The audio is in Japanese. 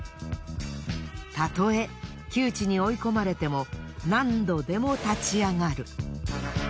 たとえ窮地に追い込まれても何度でも立ち上がる。